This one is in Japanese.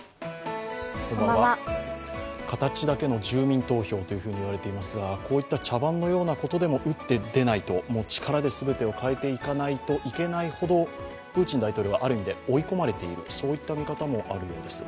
形だけの住民投票と言われていますが、こういった茶番のようなことでも打って出ないと力で全てを変えていかないといけないほどプーチン大統領はある意味で追い込まれている、そういった見方もあるようです。